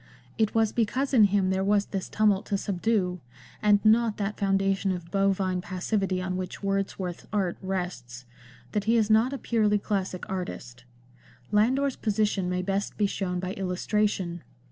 It was because in him there was this tumult to subdue — and not that foundation of bovine passivity on which Wordsworth's art rests— that he is not a purely classic artist. Landor's position may best be shown by illustration.